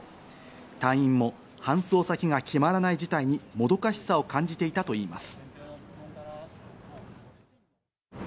隊員も搬送先が決まらない事態にもどかしさを感じていたといいます。